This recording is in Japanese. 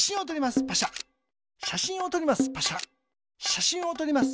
しゃしんをとります。